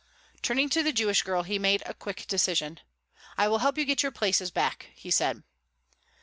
Turning to the Jewish girl he made a quick decision. "I will help you get your places back," he said.